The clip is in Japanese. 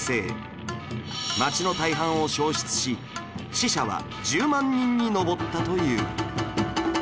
街の大半を焼失し死者は１０万人に上ったという